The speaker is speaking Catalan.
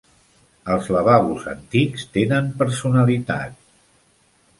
Els lavabos antics tenen personalitat.